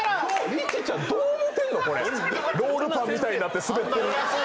リチちゃんどう思ってんの⁉ロールパンみたいになってスベってる。